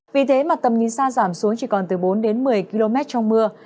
vì thế mà tầm nhìn xa giảm xuống chỉ còn từ bốn đến một mươi km trong mưa